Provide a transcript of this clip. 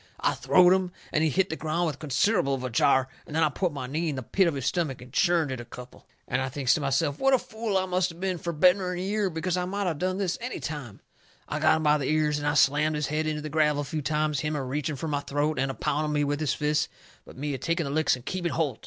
I throwed him, and he hit the ground with considerable of a jar, and then I put my knee in the pit of his stomach and churned it a couple. And I thinks to myself what a fool I must of been fur better'n a year, because I might of done this any time. I got him by the ears and I slammed his head into the gravel a few times, him a reaching fur my throat, and a pounding me with his fists, but me a taking the licks and keeping holt.